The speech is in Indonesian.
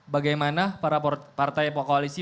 bagaimana para partai koalisi